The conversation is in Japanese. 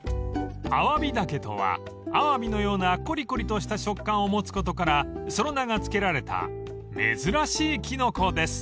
［あわび茸とはアワビのようなこりこりとした食感を持つことからその名が付けられた珍しいキノコです］